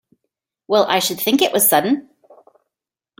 Well I should think it was sudden!